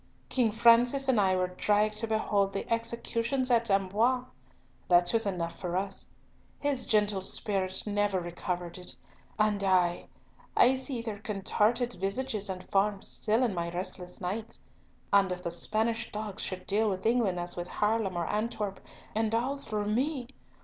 King Francis and I were dragged to behold the executions at Amboise. That was enough for us. His gentle spirit never recovered it, and I—I see their contorted visages and forms still in my restless nights; and if the Spanish dogs should deal with England as with Haarlem or Antwerp, and all through me!